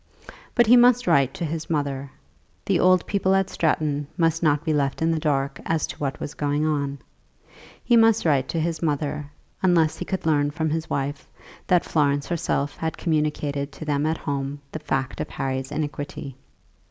But he must write to his mother. The old people at Stratton must not be left in the dark as to what was going on. He must write to his mother, unless he could learn from his wife that Florence herself had communicated to them at home the fact of Harry's iniquity.